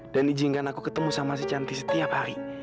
dan izinkan aku ketemu sama si cantik setiap hari